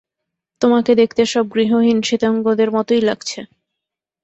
তোমাকে দেখতে সব গৃহহীন শ্বেতাঙ্গদের মতোই লাগছে।